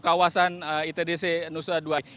ke jalan siligita yang menuju ke nusa dua dari jalan siligita